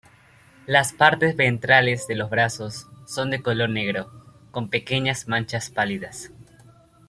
Las partes ventrales de los brazos son de color negro con pequeñas manchas pálidas.